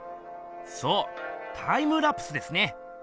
そうタイムラプスですね！